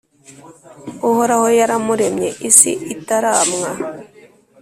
Uhoraho yaramuremye isi itaramwa